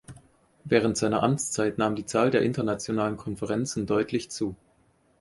Während seiner Amtszeit nahm die Zahl der internationalen Konferenzen deutlich zu.